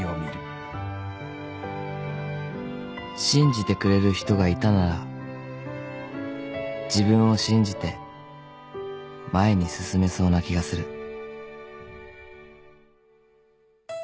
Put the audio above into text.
［信じてくれる人がいたなら自分を信じて前に進めそうな気がする］